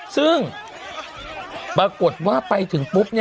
ซึ่งปรากฏว่าไปถึงปุ๊บ